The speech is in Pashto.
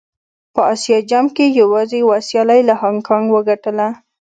په اسيا جام کې يې يوازې يوه سيالي له هانګ کانګ وګټله.